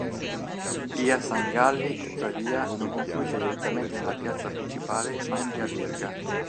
Via Sangalli tuttavia non confluisce direttamente nella piazza principale, ma in Via Verga.